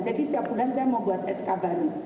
jadi setiap bulan saya mau buat sk baru